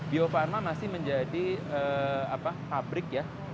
bio farma masih menjadi pabrik ya